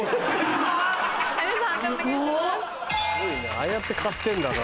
ああやって買ってんだな。